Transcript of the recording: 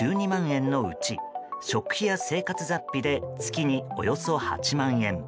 円のうち食費や生活雑費で月におよそ８万円。